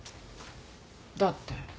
だって。